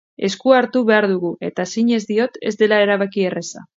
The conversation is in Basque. Esku hartu behar dugu, eta zinez diot ez dela erabaki erraza.